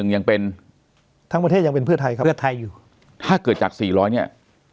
ยังเป็นทั้งประเทศยังเป็นเพื่อไทยครับเพื่อไทยอยู่ถ้าเกิดจากสี่ร้อยเนี่ย